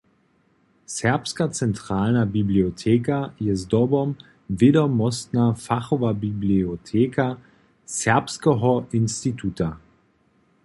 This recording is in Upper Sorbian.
Serbska centralna biblioteka je zdobom wědomostna fachowa biblioteka Serbskeho instituta.